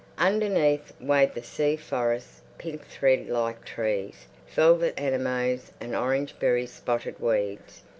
Underneath waved the sea forest—pink thread like trees, velvet anemones, and orange berry spotted weeds.